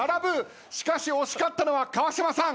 しかし押し勝ったのは川島さん。